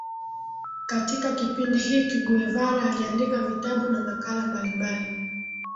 Katika kipindi hiki Guevara aliandika vitabu na makala mbalimbali